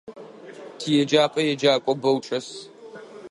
Тиеджапӏэ еджакӏо бэу чӏэс.